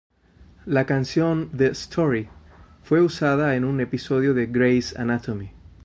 La canción, ""The Story"", fue usada en un episodio de "Grey's Anatomy".